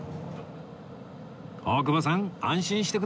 大久保さん安心してください